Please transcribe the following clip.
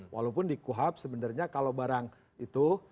walaupun dikuhab sebenarnya kalau barang itu